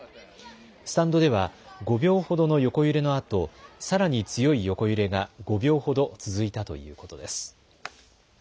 スタンドでは５秒ほどの横揺れのあと、さらに強い横揺れが５秒ほど続いたということです。